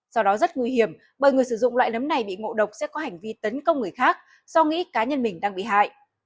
sau đó rất nguy hiểm bởi người sử dụng loại nấm này bị ngộ độc sẽ có hành vi tấn công người khác do nghĩ cá nhân mình đang bị hại